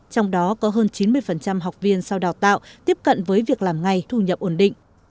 trong đó có hơn chín mươi học viên sau đào tạo tiếp cận với việc làm ngay thu nhập ổn định